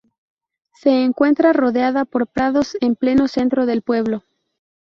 Se encuentra rodeada por prados en pleno centro del pueblo.